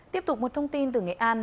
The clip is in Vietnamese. tiếp tục một thông tin từ nghệ an